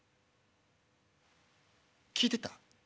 聞いてた？